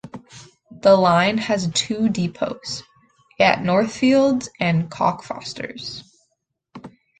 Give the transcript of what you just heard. The line has two depots, at Northfields and Cockfosters.